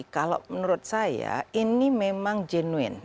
kalau menurut saya ini memang genuin